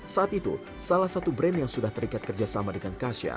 saat itu salah satu brand yang sudah terikat kerjasama dengan kasya